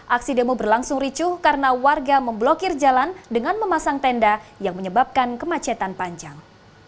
aksi demo berlangsung ricuh karena warga memblokir jalan dengan memasang tenda yang menyebabkan kemacetan panjang